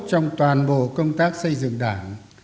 trong toàn bộ công tác xây dựng đảng